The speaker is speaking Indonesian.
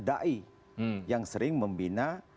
da'i yang sering membina